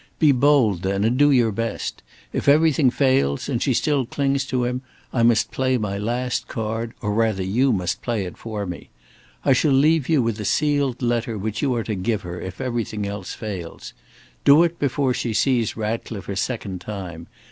Be bold, then, and do your best. If everything fails and she still clings to him, I must play my last card, or rather you must play it for me. I shall leave with you a sealed letter which you are to give her if everything else fails. Do it before she sees Ratcliffe a second time.